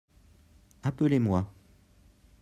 Appelez-moi.